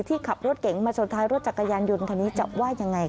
ที่ขับรถเก่งมาส่วนท้ายรถจักรยานยุนคนนี้จะว่ายังไงค่ะ